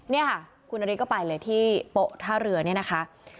นี่ค่ะคุณนฤทธิก็ไปเลยที่โป๊ะท่าเรือเนี่ยนะคะ